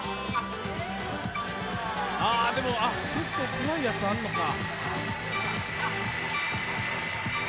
結構怖いやつ、あんのか。